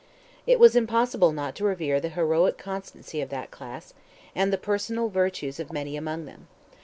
It was impossible not to revere the heroic constancy of that class, and the personal virtues of many among them.